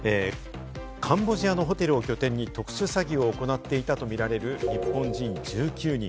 カンボジアのホテルを拠点に特殊詐欺を行っていたとみられる日本人１９人。